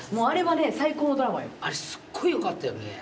あれすっごいよかったよね。